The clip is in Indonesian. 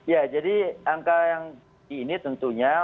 ya jadi angka yang ini tentunya